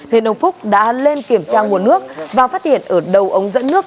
nên ông phúc đã lên kiểm tra nguồn nước và phát hiện ở đầu ống dẫn nước